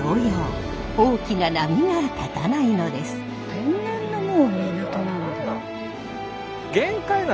天然のもう港なんだ。